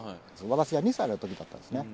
私が２歳の時だったんですね。